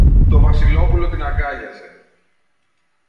Το Βασιλόπουλο την αγκάλιασε.